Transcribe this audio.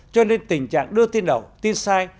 cho nên tình trạng đưa tin đầu tin sai